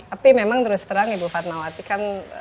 tapi memang terus terang ibu fatmawati kan